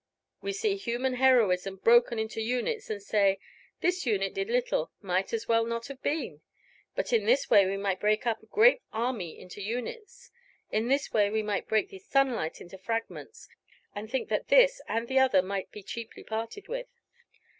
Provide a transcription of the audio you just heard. We see human heroism broken into units and say, this unit did little might as well not have been. But in this way we might break up a great army into units; in this way we might break the sunlight into fragments, and think that this and the other might be cheaply parted with.